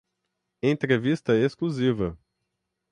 Entrevista exclusiva